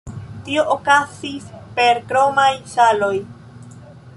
Tio okazis per kromaj saloj.